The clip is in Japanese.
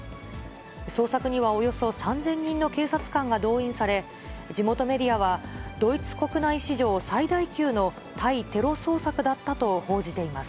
捜索にはおよそ３０００人の警察官が動員され、地元メディアは、ドイツ国内史上最大級の対テロ捜索だったと報じています。